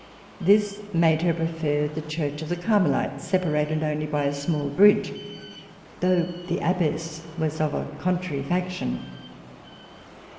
This made her prefer the church of the Carmelites, separated only by a small bridge, though the abbess was of a contrary faction.